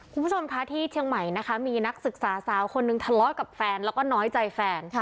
คุณผู้ชมคะที่เชียงใหม่นะคะมีนักศึกษาสาวคนนึงทะเลาะกับแฟนแล้วก็น้อยใจแฟน